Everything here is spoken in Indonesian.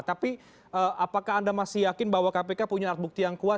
tapi apakah anda masih yakin bahwa kpk punya alat bukti yang kuat